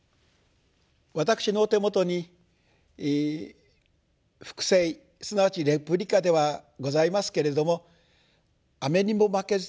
私の手元に複製すなわちレプリカではございますけれども「雨ニモマケズ」